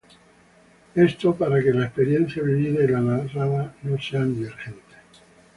Esto para que la experiencia vivida y la narrada no sean divergentes.